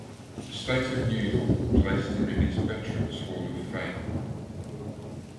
The State of New York placed him in its Veterans Hall of Fame.